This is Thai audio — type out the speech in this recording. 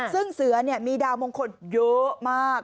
ซึ่งเสือมีดาวมงคลเยอะมาก